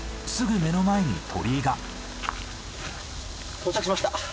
到着しました。